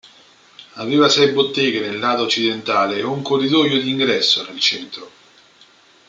Aveva sei botteghe nel lato occidentale e un corridoio di ingresso nel centro.